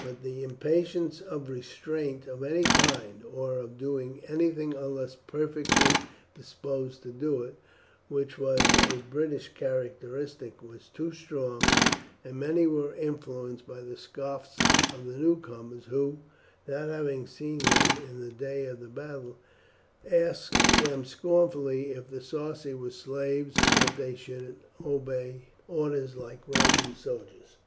But the impatience of restraint of any kind, or of doing anything unless perfectly disposed to do it, which was a British characteristic, was too strong, and many were influenced by the scoffs of the newcomers, who, not having seen them in the day of battle, asked them scornfully if the Sarci were slaves that they should obey orders like Roman soldiers.